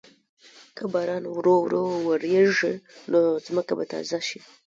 که باران ورو ورو وریږي، نو ځمکه به تازه شي.